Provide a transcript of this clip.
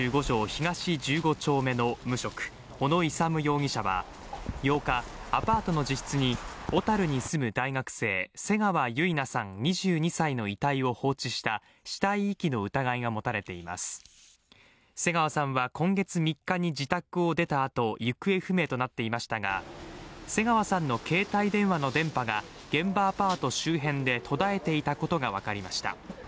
東１５丁目の無職小野勇容疑者は８日アパートの自室に小樽に住む大学生・瀬川結菜さん２２歳の遺体を放置した死体遺棄の疑いが持たれています瀬川さんは今月３日に自宅を出たあと行方不明となっていましたが瀬川さんの携帯電話の電波が現場アパート周辺で途絶えていたことが分かりました